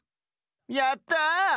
やった！